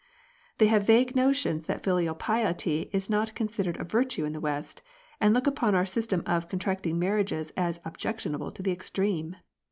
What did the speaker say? They have vague notions that filial piety is not considered a virtue in the West, and look upon our system of contracting marriages as objectionable in the extreme.